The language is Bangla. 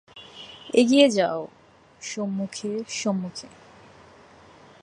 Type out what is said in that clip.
এগিয়ে যাও, সম্মুখে, সম্মুখে।